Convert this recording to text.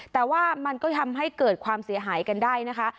แต่ว่ามันก็ทำให้เกิดความเสียหายกันได้นะคะ